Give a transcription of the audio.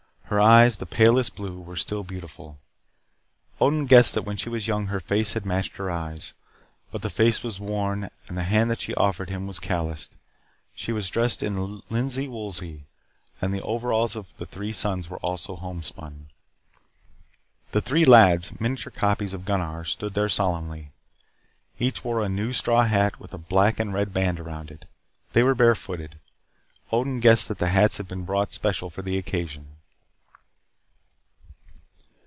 Her eyes, the palest blue, were still beautiful. Odin guessed that when she was young her face had matched her eyes. But the face was worn and the hand that she offered him was calloused. She was dressed in linsey woolsey, and the overalls of the three sons were also home spun. The three lads, miniature copies of Gunnar, stood there solemnly. Each wore a new straw hat with a black and red band around it. They were barefooted. Odin guessed that the hats had been bought special for the occasion.